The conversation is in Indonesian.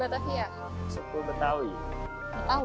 batavia metau itu